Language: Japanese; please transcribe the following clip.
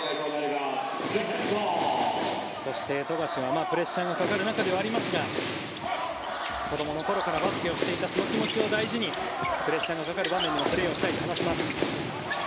そして、富樫はプレッシャーがかかる中ではありますが子どもの頃からバスケをしていたその気持ちを大事にプレッシャーがかかる場面でプレーをしたいと話します。